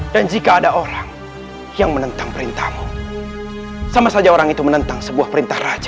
dan jika ada orang yang menentang perintahmu sama saja orang itu menentang sebuah perintah raja